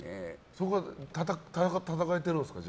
それで戦えてるんですか？